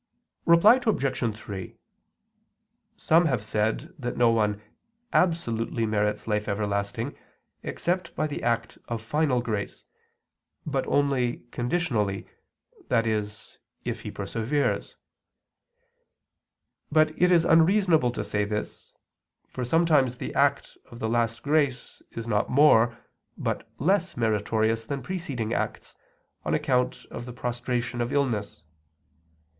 Reply Obj. 3: Some have said that no one absolutely merits life everlasting except by the act of final grace, but only conditionally, i.e. if he perseveres. But it is unreasonable to say this, for sometimes the act of the last grace is not more, but less meritorious than preceding acts, on account of the prostration of illness.